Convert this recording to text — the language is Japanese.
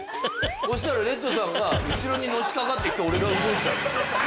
そしたらレッドさんが後ろにのしかかってきて俺が動いちゃう。